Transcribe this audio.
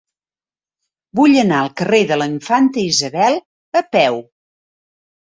Vull anar al carrer de la Infanta Isabel a peu.